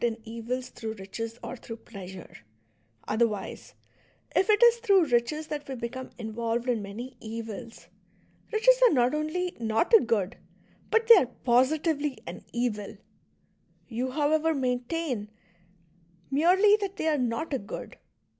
in evils thi'ough riches or through pleasure ; other wise, if it is through riches that we become involved in many evils, riches are not only not a good, but they are positively an evil. You, however, maintain merely that they are not a good.